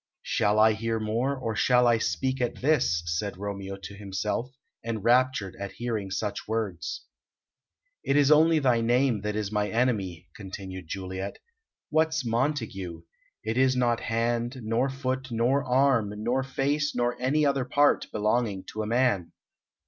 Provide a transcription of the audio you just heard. "Shall I hear more, or shall I speak at this?" said Romeo to himself, enraptured at hearing such words. "It is only thy name that is my enemy," continued Juliet. "What's 'Montague'? It is not hand, nor foot, nor arm, nor face, nor any other part belonging to a man.